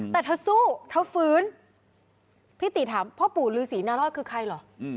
แต่เธอสู้เธอฟื้นพี่ติถามพ่อปู่ลือศรีนารอดคือใครเหรอ